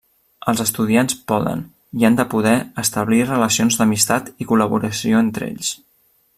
Els estudiants poden, i han de poder, establir relacions d’amistat i col·laboració entre ells.